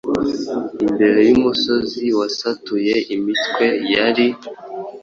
Imbere yumusozi wasatuye imitwe yari